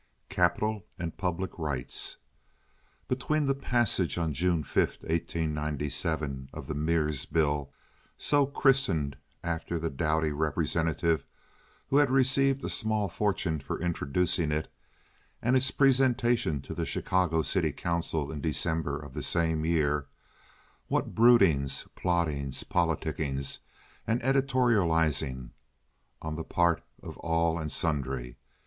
Capital and Public Rights Between the passage on June 5, 1897, of the Mears bill—so christened after the doughty representative who had received a small fortune for introducing it—and its presentation to the Chicago City Council in December of the same year, what broodings, plottings, politickings, and editorializings on the part of all and sundry!